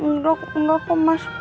nggak pak mas